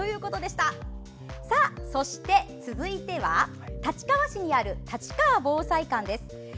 そして、続いては立川市にある立川防災館です。